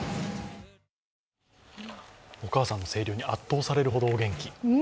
お母さんの声量に圧倒されるほどお元気。